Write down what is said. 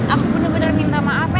aku bener bener minta maaf ya